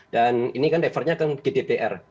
dan ini kan refernya ke gdpr